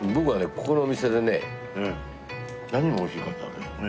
ここのお店でね何が美味しいかっていったらね。